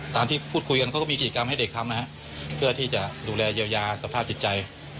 ตามที่พูดคุยกันพี่หลังแล้วก็ไปกับชุมหมายความภาพติดใจ